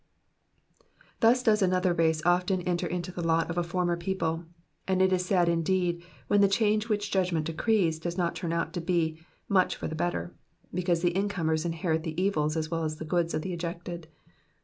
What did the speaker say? Thus does another race often enter into the lot of a former people, and it is sad indeed when the change which judgment decrees does not turn out to be much for the better, because the incomers inherit the evils as well as the goods of the ejected.